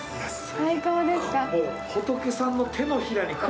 最高です。